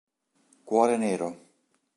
Cuore nero